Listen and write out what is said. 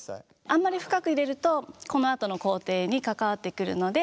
あんまり深く入れるとこのあとの工程に関わってくるので。